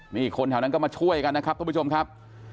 นี่คนแถวนั้นก็มาช่วยกันนะครับทุกผู้ชมครับ